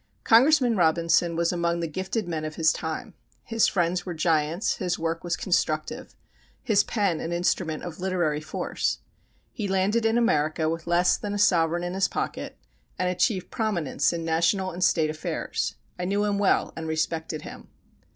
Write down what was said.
Congressman Robinson was among the gifted men of his time. His friends were giants, his work was constructive, his pen an instrument of literary force. He landed in America with less than a sovereign in his pocket, and achieved prominence in national and State affairs. I knew him well and respected him.